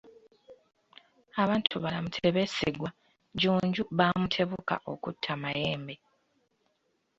Abantu balamu tebeesigwa, Jjunju baamutebuka okutta Mayembe.